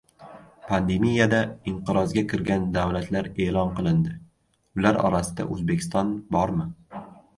Pandemiyada inqirozga kirgan davlatlar e’lon qilindi. Ular orasida O‘zbekiston bormi?